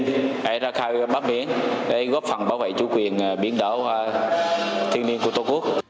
hãy ra khai bắp biển để góp phần bảo vệ chủ quyền biển đảo thiên niên của tổ quốc